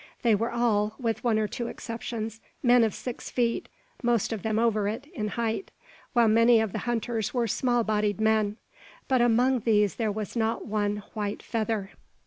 They were all, with one or two exceptions, men of six feet most of them over it in height; while many of the hunters were small bodied men. But among these there was not one "white feather."